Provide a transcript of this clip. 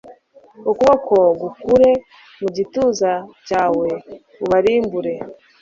ukuboko gukure mu gituza cyawe ubarimbure